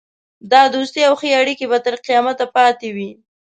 دا دوستي او ښې اړېکې به تر قیامته پاته وي.